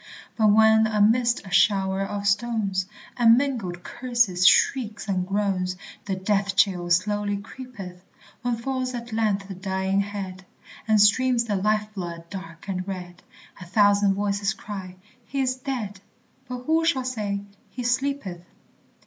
But when amidst a shower of stones, And mingled curses, shrieks, and groans, The death chill slowly creepeth; When falls at length the dying head, And streams the life blood dark and red, A thousand voices cry, "He's dead"; But who shall say, "He sleepeth"?